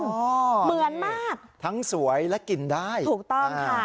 เหมือนมากทั้งสวยและกินได้ถูกต้องค่ะ